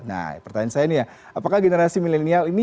nah pertanyaan saya ini ya apakah generasi milenial ini